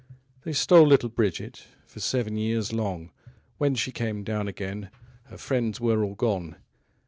They stole little Bridget For seven years long; 30 When she came down again Her friends were all gone.